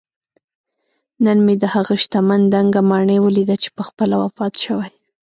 نن مې دهغه شتمن دنګه ماڼۍ ولیده چې پخپله وفات شوی